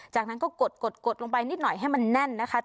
จากนั้นก็กดลงไปนิดหน่อยให้มันแน่นนะคะ